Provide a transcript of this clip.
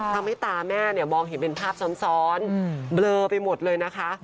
ทำให้ตาแม่เนี่ยมองเห็นเป็นภาพซ้อนเบลอไปหมดเลยนะคะ